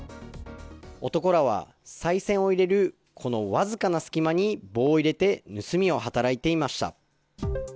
男らは、さい銭を入れるこのわずかな隙間に棒を入れて盗みを働いていました。